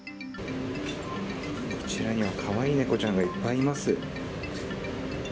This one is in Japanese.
こちらにはかわいい猫ちゃんがいっぱいいます。